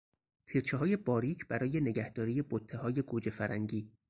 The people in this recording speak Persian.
تیرچههای باریک برای نگهداری بتههای گوجهفرنگی